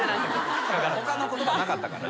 他の言葉なかったかな。